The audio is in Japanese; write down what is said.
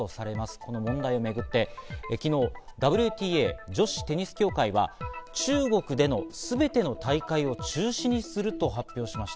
この問題をめぐって昨日、ＷＴＡ＝女子テニス協会は中国でのすべての大会を中止にすると発表しました。